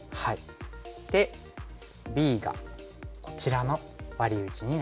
そしてＢがこちらのワリ打ちになります。